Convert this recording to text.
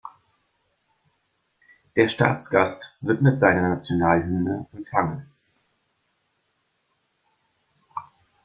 Der Staatsgast wird mit seiner Nationalhymne empfangen.